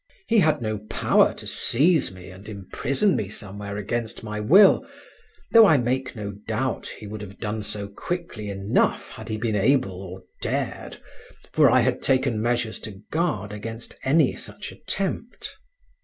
He had no power to seize me and imprison me somewhere against my will, though I make no doubt he would have done so quickly enough had he been able or dared, for I had taken measures to guard against any such attempt.